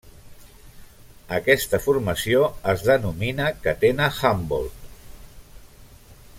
Aquesta formació es denomina Catena Humboldt.